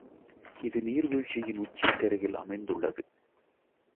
இது நீர் வீழ்ச்சியின் உச்சிக்கருகில் அமைந்துள்ளது.